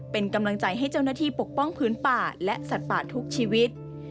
เป็นกำลังใจให้เจ้าหน้าที่ปกป้องพื้นป่าและสัตว์ป่าทุกชีวิต